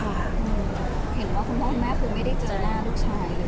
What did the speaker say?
เห็นว่าคุณพ่อคุณแม่คือไม่ได้เจอหน้าลูกชายเลย